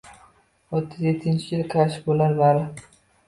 O’ttiz yettinchi yil kashfi bular bari —